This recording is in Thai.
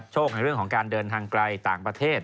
ในเรื่องของการเดินทางไกลต่างประเทศ